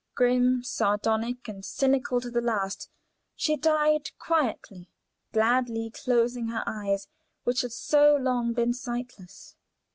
Grim, sardonic, and cynical to the last, she died quietly, gladly closing her eyes which had so long been sightless.